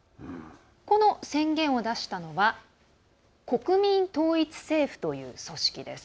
この宣言を出したのは国民統一政府という組織です。